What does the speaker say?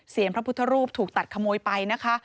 พระพุทธรูปถูกตัดขโมยไปนะคะ